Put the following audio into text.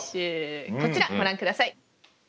こちらご覧ください。